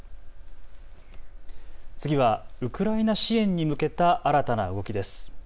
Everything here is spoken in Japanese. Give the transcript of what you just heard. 次はウクライナ支援に向けた新たな動きです。